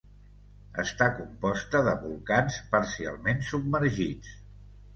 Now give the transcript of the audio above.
Està composta de volcans parcialment submergits.